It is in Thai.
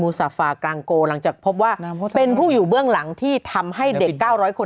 มูซาฟากรางโกหลังจากพบว่าน้ำโพธิศเป็นผู้อยู่เบื้องหลังที่ทำให้เด็กเก้าร้อยคน